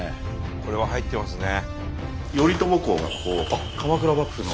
これは入ってますね。